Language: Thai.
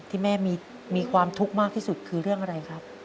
ที่แม่มีความทุกข์มากที่สุดคือเรื่องอะไรครับ